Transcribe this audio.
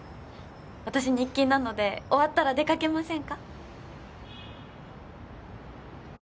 私日勤なので終わったら出かけませんか？